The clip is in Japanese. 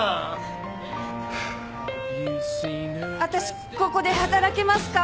私ここで働けますか？